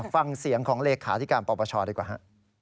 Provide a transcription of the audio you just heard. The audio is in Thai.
ฟังเสียงของเลขาธิการปปชดีกว่าฮะ